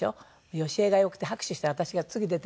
好重が良くて拍手して私が次出て。